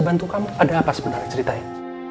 bantu kamu ada apa sebenarnya ceritain